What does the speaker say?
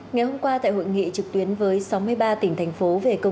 ngày hôm qua tại hội nghị trực tuyến với sáu mươi ba tỉnh thành phố về cơ quan